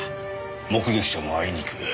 目撃者もあいにく。